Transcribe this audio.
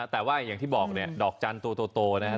แต่ว่าอย่างที่บอกดอกจันทร์โตนะ